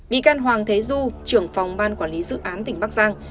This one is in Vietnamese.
bị can hoàng thế du trưởng phòng ban quản lý dự án tỉnh bắc giang